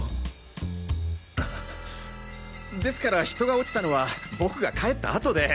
ですから人が落ちたのは僕が帰った後で。